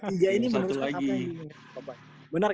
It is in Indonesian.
ketiga ini meneruskan apa yang diinginkan sama papa